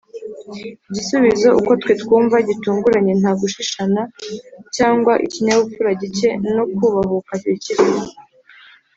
Iki gisubizo, uko twe twumva gitunguranye, nta gushishana cyangwa ikinyabupfura gike no kubahuka bikirimo